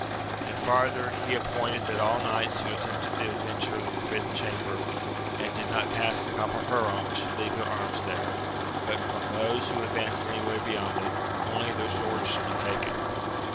And far ther, he appointed that all knights who attempted the adventure of the forbidden chamber, and did not pass the copper perron should leave their arms there : but from those who advanced any way beyond it, only their swords should be taken.